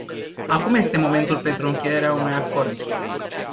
Acum este momentul pentru încheierea unui acord.